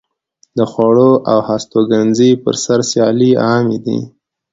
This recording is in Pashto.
د خوړو او هستوګنځي پر سر سیالۍ عامې دي.